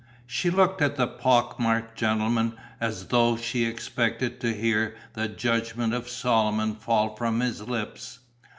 She looked at the pock marked gentleman as though she expected to hear the judgement of Solomon fall from his lips.